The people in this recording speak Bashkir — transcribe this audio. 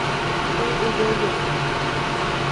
Ул өйҙә юҡ